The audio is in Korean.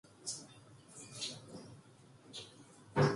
세계 최고의 셰프가 만든 맛있는 고기가 하늘을 날고 있어